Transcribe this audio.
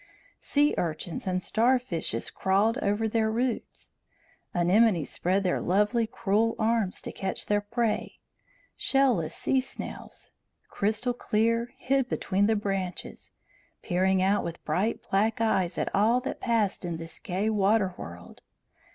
Sea urchins and starfishes crawled over their roots; anemones spread their lovely cruel arms to catch their prey; shell less sea snails, crystal clear, hid between the branches, peering out with bright black eyes at all that passed in this gay water world.